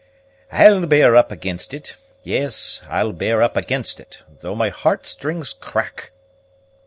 "I'll bear up against it; yes, I'll bear up against it, though my heart strings crack!